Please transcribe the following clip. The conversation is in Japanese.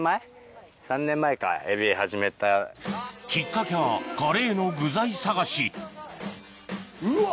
きっかけはカレーの具材探しうわ！